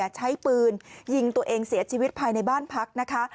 ใช้ปืนยิงตัวเองเสียชีวิตภายในบ้านพักนะคะ